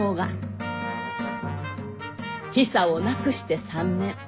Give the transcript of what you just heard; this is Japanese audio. ヒサを亡くして３年。